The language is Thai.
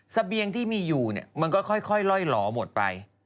เสบียงที่มีอยู่เนี่ยมันก็ค่อยล่อยหล่อหมดไป